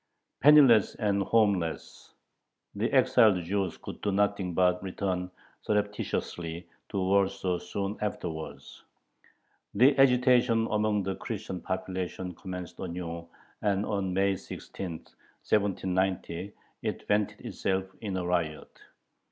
Penniless and homeless, the exiled Jews could do nothing but return surreptitiously to Warsaw soon afterwards. The agitation among the Christian population commenced anew, and on May 16, 1790, it vented itself in a riot.